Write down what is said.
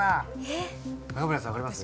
若村さん分かります？